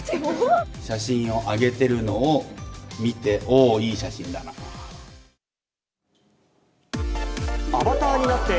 写真を上げてるのを見て、おー、いい写真だなって。